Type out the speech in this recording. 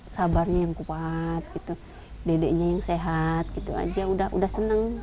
sabarnya yang kuat dedeknya yang sehat gitu aja udah seneng